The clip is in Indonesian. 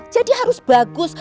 jadi harus bagus